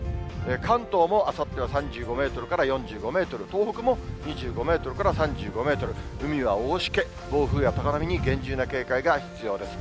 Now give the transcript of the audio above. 関東もあさっては３５メートルから４５メートル、東北も２５メートルから３５メートル、海は大しけ、暴風や高波に厳重な警戒が必要です。